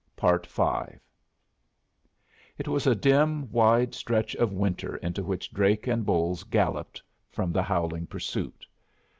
V It was a dim, wide stretch of winter into which Drake and Bolles galloped from the howling pursuit.